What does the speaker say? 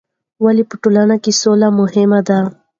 ولې په ټولنه کې سوله مهمه ده؟